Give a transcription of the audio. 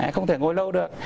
không thể ngồi lâu được